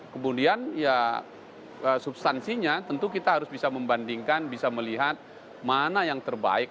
kemudian ya substansinya tentu kita harus bisa membandingkan bisa melihat mana yang terbaik